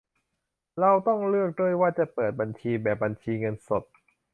เราต้องเลือกด้วยว่าจะเปิดบัญชีแบบบัญชีเงินสด